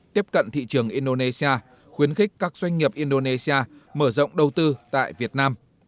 tiếp cận thị trường indonesia khuyến khích các doanh nghiệp indonesia mở rộng đầu tư tại việt nam